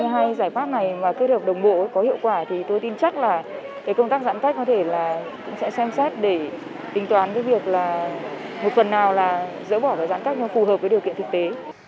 nếu như cả hai giải pháp này và cơ thể học đồng bộ có hiệu quả thì tôi tin chắc là công tác giãn cách có thể là cũng sẽ xem xét để tính toán cái việc là một phần nào là dỡ bỏ cái giãn cách nó phù hợp với điều kiện thực tế